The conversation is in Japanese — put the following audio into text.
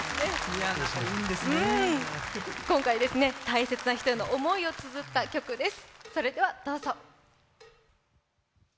今回、大切な人への思いをつづった曲です。